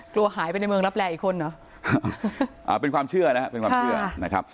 กลัวหายไปในเมืองรับแรงอีกคนเหรออ่าเป็นความเชื่อนะครับเป็นความเชื่อนะครับ